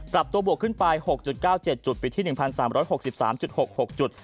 ปรับตัวบวกขึ้นไป๖๙๗จุดปิดที่๑๓๖๓๖๖จุด